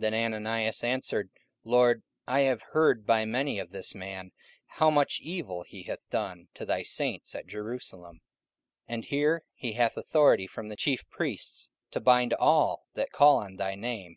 44:009:013 Then Ananias answered, Lord, I have heard by many of this man, how much evil he hath done to thy saints at Jerusalem: 44:009:014 And here he hath authority from the chief priests to bind all that call on thy name.